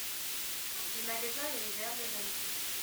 Le magasin est ouvert le lundi.